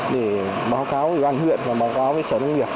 để báo cáo ủy ban huyện và báo cáo với sở nông nghiệp